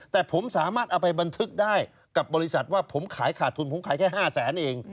แต่ผมสามารถเอาไปบันทึกได้กับบริษัทว่าผมขายขาดทุนผมขายแค่๕แสนเอง